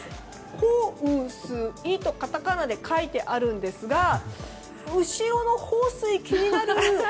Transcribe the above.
ホウスイとカタカナで書いてあるんですが後ろのホウスイ気になる！